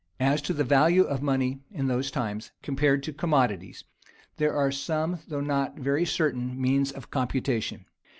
] As to the value of money in those times, compared to commodities, there are some though not very certain, means of computation.